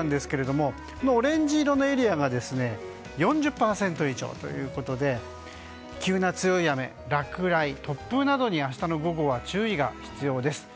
明日の発雷確率なんですがオレンジ色のエリアが４０％以上ということで急な強い雨、落雷、突風などに明日の午後は注意が必要です。